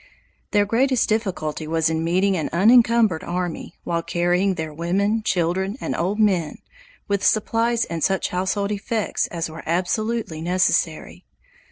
Their greatest difficulty was in meeting an unencumbered army, while carrying their women, children, and old men, with supplies and such household effects as were absolutely necessary.